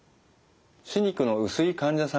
歯肉の薄い患者さんはですね